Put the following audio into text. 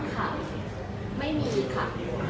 ค่ะไม่มีค่ะ